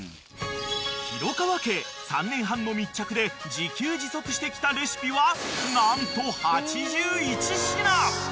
［廣川家３年半の密着で自給自足してきたレシピは何と８１品］